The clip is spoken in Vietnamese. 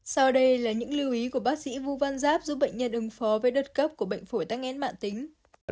sau đây là những lưu ý của bác sĩ vu văn giáp giúp bệnh nhân ứng phó với đợt cấp của bệnh phổi tắc nghẽn mạng tính